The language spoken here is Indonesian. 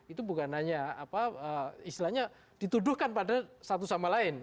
itu bukan hanya apa istilahnya dituduhkan pada satu sama lain